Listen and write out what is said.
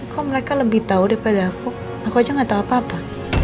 kok mereka lebih tahu daripada aku aku aja nggak tahu apa apa